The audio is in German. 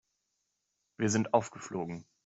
Wir sind aufgeflogen.